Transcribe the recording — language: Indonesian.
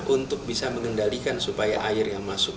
untuk bisa mengendalikan supaya air yang masuk